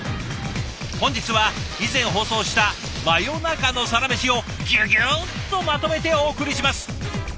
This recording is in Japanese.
本日は以前放送した真夜中のサラメシをギュギュッとまとめてお送りします。